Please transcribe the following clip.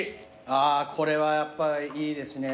あぁこれはやっぱいいですね。